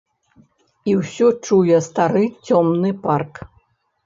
І ўсё чуе стары цёмны парк.